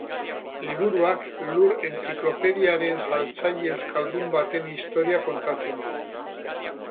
Liburuak Lur entziklopediaren saltzaile euskaldun baten historia kontatzen du.